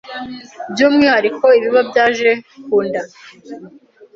by’umwihariko ibiba byaje ku nda